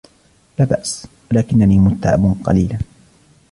لا بأس، ولكنني متعب قليلا.